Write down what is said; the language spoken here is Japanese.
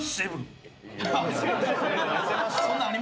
そんなんありました？